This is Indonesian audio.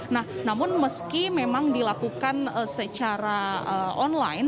nah namun meski memang dilakukan secara online